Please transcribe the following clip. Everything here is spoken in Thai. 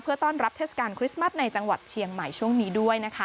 ต้อนรับเทศกาลคริสต์มัสในจังหวัดเชียงใหม่ช่วงนี้ด้วยนะคะ